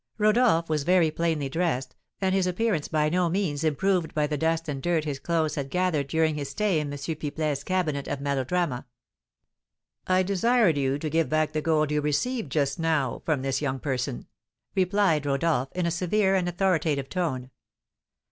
Rodolph was very plainly dressed, and his appearance by no means improved by the dust and dirt his clothes had gathered during his stay in M. Pipelet's Cabinet of Melodrama. "I desired you to give back the gold you received just now from this young person," replied Rodolph, in a severe and authoritative tone.